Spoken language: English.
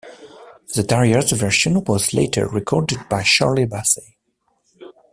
The Tarriers version was later recorded by Shirley Bassey.